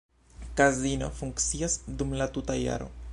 Kazino funkcias dum la tuta jaro.